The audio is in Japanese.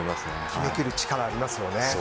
決め切る力、ありますよね。